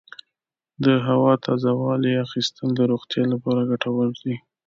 د هوا تازه والي اخیستل د روغتیا لپاره ګټور دي.